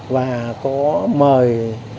và có mời